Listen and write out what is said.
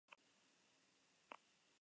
Alemania, Wolfsburg y Kassel.